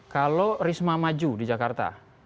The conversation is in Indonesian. kalau risma maju di jakarta